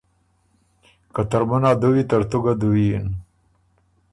که ترمُن ا دُوّي ترتُو ګه دُوی یِن،